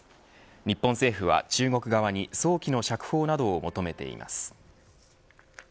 日本政府は中国側に早期の釈放などを求めています。